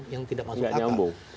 yang tidak masuk akal